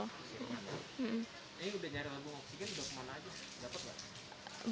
ini udah nyari lampung oksigen udah kemana aja dapat nggak